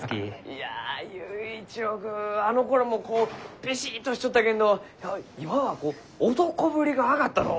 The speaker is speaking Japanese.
いや佑一郎君はあのころもこうビシッとしちょったけんど今はこう男ぶりが上がったのう！